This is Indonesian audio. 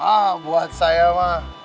ah buat saya mah